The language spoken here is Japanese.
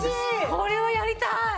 これはやりたい！